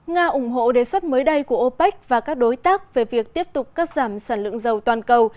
nga ủng hộ đề xuất mới đây của opec và các đối tác về việc tiếp tục cắt giảm sản lượng dầu toàn cầu